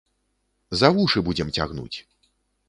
За вушы будзем цягнуць!